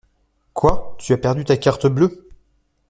Quoi? Tu as perdu ta carte bleue ?